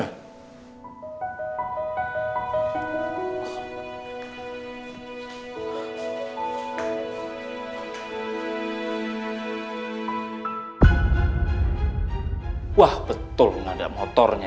enggak konten aku gara dua siap kemarin ah